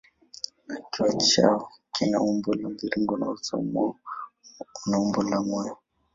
Kichwa chao kina umbo la mviringo na uso mwao una umbo la moyo.